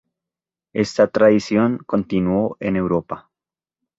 Esta tradición continuó en Europa.